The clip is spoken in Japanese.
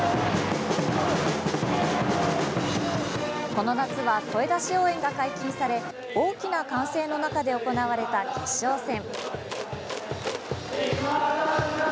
この夏は、声出し応援が解禁され大きな歓声の中で行われた決勝戦。